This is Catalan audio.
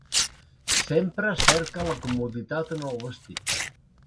Sempre cerca la comoditat en el vestir.